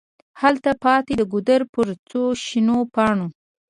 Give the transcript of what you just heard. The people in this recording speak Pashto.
هلته پاتي د ګودر پر څوشنو پاڼو